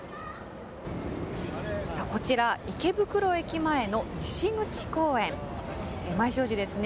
さあこちら、池袋駅前の西口公園毎正時ですね。